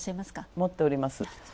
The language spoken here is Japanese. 持っております。